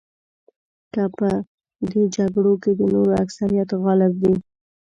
که په دې جګړو کې د نورو اکثریت غالب وي.